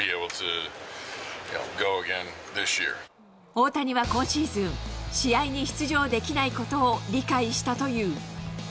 大谷は今シーズン、試合に出場できないことを理解したという。